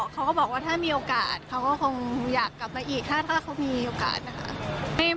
เขาก็บอกว่าถ้ามีโอกาสเขาก็คงอยากกลับมาอีกถ้าเขามีโอกาสนะคะ